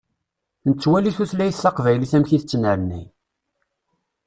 Nettwali tutlayt taqbaylit amek i tettnernay.